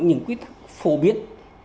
những quy tắc phổ biến